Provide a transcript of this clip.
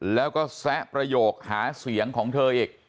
แล้วก็แซะประโยคหาเสียงของเธออีก